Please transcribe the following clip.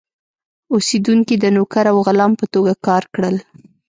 اوسېدونکي د نوکر او غلام په توګه کار کړل.